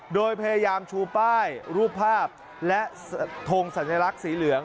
โดยพยายามชูป้ายรูปภาพและทงสัญลักษณ์สีเหลือง